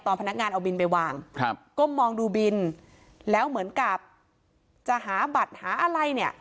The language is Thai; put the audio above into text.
พนักงานเอาบินไปวางครับก้มมองดูบินแล้วเหมือนกับจะหาบัตรหาอะไรเนี่ย